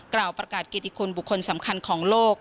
กล่าวประกาศเกติคุณบุคคลสำคัญของโลก